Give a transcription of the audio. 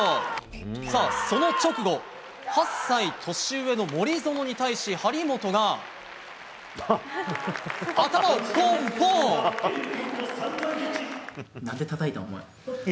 さあ、その直後、８歳年上の森薗に対し、張本が、なんでたたいたの、お前。